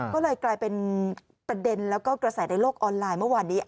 ก็เลยกลายเป็นประเด็นแล้วก็กระแสในโลกออนไลน์เมื่อวานนี้